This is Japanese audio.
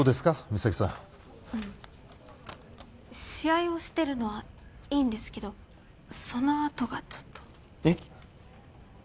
三咲さんあの試合をしてるのはいいんですけどそのあとがちょっとえっ？